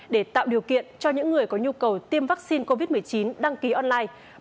để tạo điều kiện cho những người có nhu cầu tiêm vaccine covid một mươi chín đăng ký online